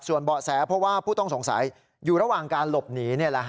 เบาะแสเพราะว่าผู้ต้องสงสัยอยู่ระหว่างการหลบหนี